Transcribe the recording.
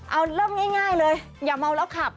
เอาเริ่มง่ายเลยอย่าเมาแล้วขับ